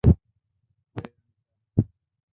এই, আনিশা।